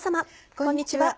こんにちは。